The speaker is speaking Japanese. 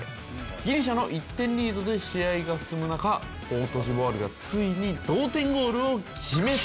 ギリシャの１点リードで試合が進む中コートジボワールがついに同点ゴールを決めた。